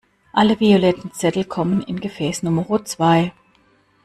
Alle violetten Zettel kommen in Gefäß Numero zwei.